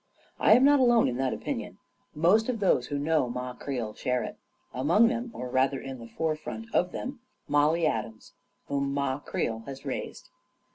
I am not alone in that opinion. Most of those who know Ma Creel share it, among them — or rather, in the forefront of them — Mollie Adams, whom Ma Creel has raised.